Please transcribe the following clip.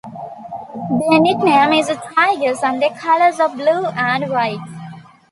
Their nickname is the Tigers and their colors are blue and white.